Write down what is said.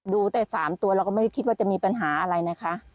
ดูแต่๓ตัวเราก็ไม่ได้คิดว่าจะมีปัญหาอะไรนะคะ